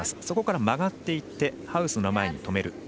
そこから曲がっていってハウスの前で止める。